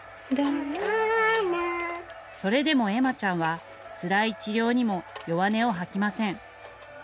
それでも恵麻ちゃんは、つらい治療にも弱音を吐きません。